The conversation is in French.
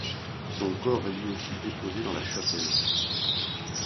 Son corps est lui aussi déposé dans la chapelle.